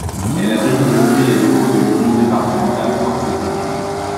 Elle abrite aujourd'hui les locaux de l'union départementale Force ouvrière.